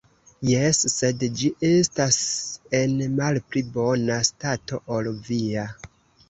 Jes, sed ĝi estas en malpli bona stato ol via.